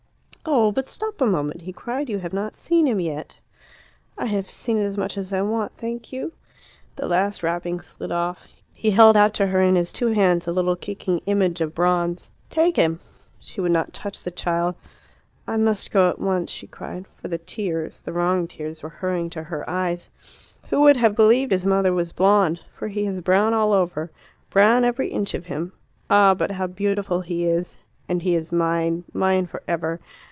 "Oh, but stop a moment!" he cried. "You have not seen him yet." "I have seen as much as I want, thank you." The last wrapping slid off. He held out to her in his two hands a little kicking image of bronze. "Take him!" She would not touch the child. "I must go at once," she cried; for the tears the wrong tears were hurrying to her eyes. "Who would have believed his mother was blonde? For he is brown all over brown every inch of him. Ah, but how beautiful he is! And he is mine; mine for ever.